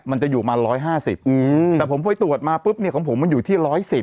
มันจะอยู่มา๑๕๐แต่ผมไปตรวจมาปุ๊บเนี่ยของผมมันอยู่ที่๑๑๐